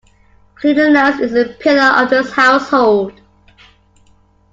Cleanliness is a pillar of this household.